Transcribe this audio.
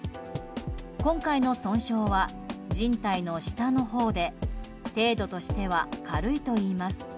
今回の損傷はじん帯の下のほうで程度としては軽いといいます。